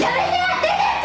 出ていって！